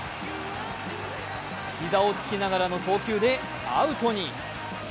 膝をつきながらの送球でアウトに。